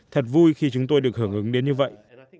thật vui khi chúng tôi được hưởng ứng đến như vậy